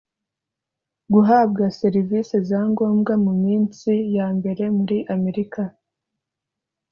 Guhabwa serivise za ngombwa mu minsi ya mbere muri Amerika